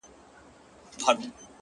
عجيب سړى يم له سهاره تر غرمې بيدار يم;